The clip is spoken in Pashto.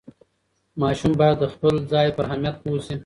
ماشوم باید د خپل ځای پر اهمیت پوه شي.